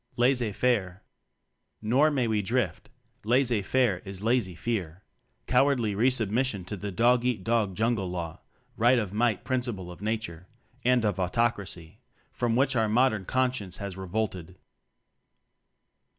Laisser Faire. Nor may we drift; laisser faire is lazy fear cowardly re submission to the dog eat dog jungle law, right of might principle of Nature and of Au tocracy from which our modern con science has revolted.